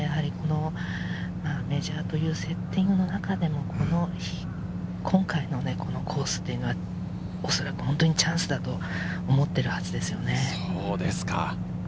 メジャーというセッティングの中でも、今回のコースというのは、おそらくホントにチャンスだと思っているはずですよね。